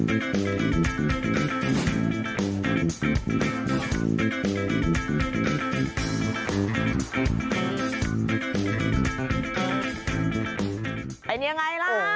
อันนี้ยังไงล่ะ